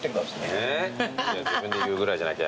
自分で言うぐらいじゃなきゃ。